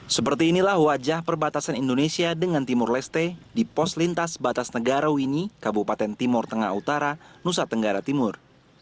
seperti inilah wajah perbatasan indonesia dengan timur leste di pos lintas batas negara wini kabupaten timur tengah utara nusa tenggara timur